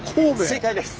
正解です！